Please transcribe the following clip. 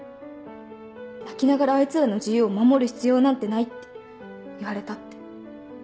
泣きながらあいつらの自由を守る必要なんてない」って言われたって。